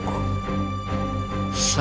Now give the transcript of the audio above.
salam hurmat salam